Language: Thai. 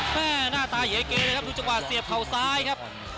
หน้าตาเยเกเลยครับดูจังหวะเสียบเข่าซ้ายครับ